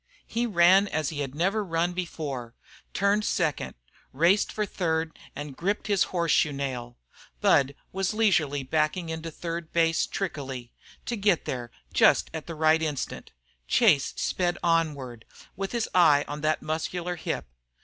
He ran as he had never run before, turned second, raced for third, and gripped his horseshoe nail. Budd was leisurely backing into third base trickily, to get there just at the right instant. Chase sped onward, with his eye on that muscular hip.